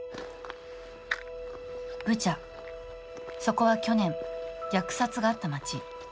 ブチャ、そこは去年、虐殺があった町。